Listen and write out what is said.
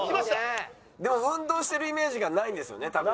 でも運動してるイメージがないんですよね田渕さん。